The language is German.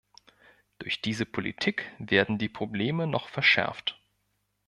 Durch diese Politik werden die Probleme noch verschärft.